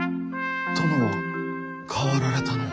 殿は変わられたのう。